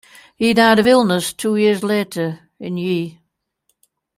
He died of illness two years later in Ye.